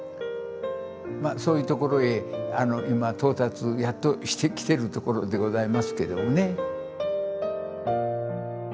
そういうところへ今到達やっとしてきてるところでございますけどもね。